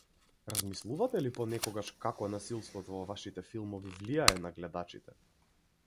Размислувате ли понекогаш како насилството во вашите филмови влијае на гледачите?